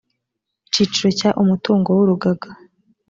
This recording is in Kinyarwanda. icyiciro cya umutungo w urugaga